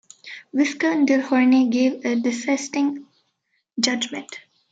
Viscount Dilhorne gave a dissenting judgment.